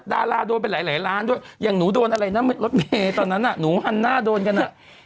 ดาลาะโดนเป็นหลายล้านด้วยหนูโดนอะไรตอนนั้นน่ะหนูหันหน้าโดนกันล่ะ